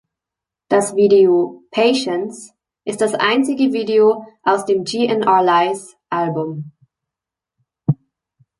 Das Video "Patience" ist das einzige Video aus dem "G-N'-R-Lies"-Album.